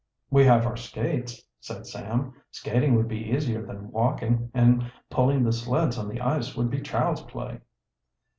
"We have our skates," said Sam. "Skating would be easier than walking, and pulling the sleds on the ice would be child's play."